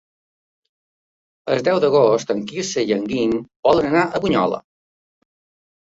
El deu d'agost en Quirze i en Guim volen anar a Bunyola.